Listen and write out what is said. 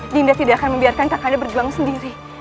dinda tidak akan membiarkan kakanda berjuang sendiri